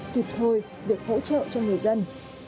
thiệt thòi được hỗ trợ cho người dân